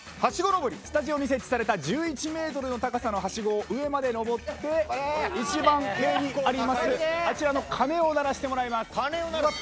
スタジオに設置された１１メートルの高さのはしごを上まで登って一番上にあるあちらの鐘を鳴らしてもらいます。